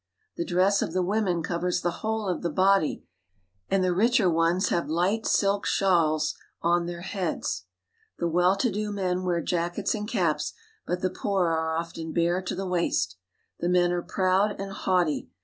The dress of the women covers the whole of the body, and the richer ones have light silk shawls on their heads. The well to do men wear jackets and caps, but the poorer are often bare to the waist. The men are proud and haughty.